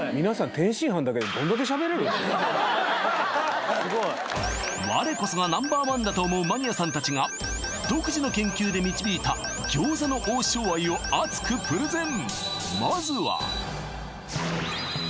天津飯だけで我こそがＮｏ．１だと思うマニアさん達が独自の研究で導いた餃子の王将愛を熱くプレゼン